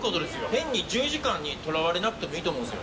変に１０時間にとらわれなくてもいいと思うんです。